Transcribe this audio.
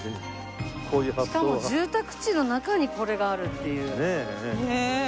しかも住宅地の中にこれがあるっていう。